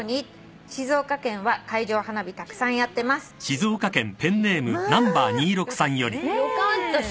「静岡県は海上花火たくさんやってます」まよかったね。